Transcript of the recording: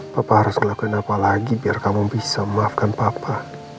bapak harus melakukan apa lagi biar kamu bisa memaafkan papa